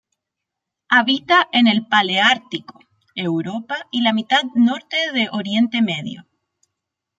Habita en el paleártico: Europa y la mitad norte de Oriente Medio.